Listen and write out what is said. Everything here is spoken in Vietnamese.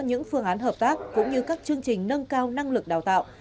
những phương án hợp tác cũng như các chương trình nâng cao năng lực đào tạo